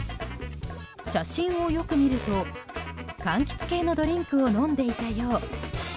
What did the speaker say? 写真をよく見ると柑橘系のドリンクを飲んでいたよう。